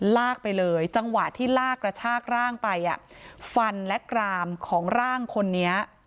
ลากไปเลยจังหวะที่ลากกระชากร่างไปฟันและกรามของร่างคนนี้